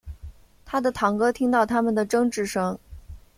他的堂哥听到他们的争执声